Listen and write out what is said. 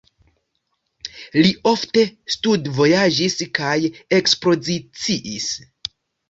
Li ofte studvojaĝis kaj ekspoziciis.